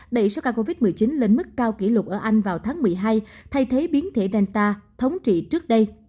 đẩy số ca covid một mươi chín lên mức cao kỷ lục ở anh vào tháng một mươi hai thay thế biến thể danta thống trị trước đây